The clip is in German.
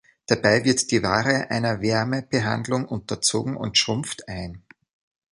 Dabei wird die Ware einer Wärmebehandlung unterzogen und schrumpft ein.